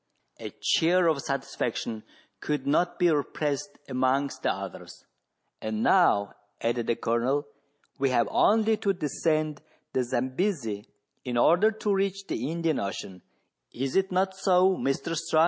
A cheer of satisfaction could not be repressed amongst the others. " And now," added the Colonel, " we have only to descend the Zambesi in order to reach the Indian Ocean : is it not so, Mr Strux.?"